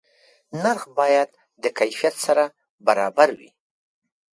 نرخ باید د کیفیت سره برابر وي.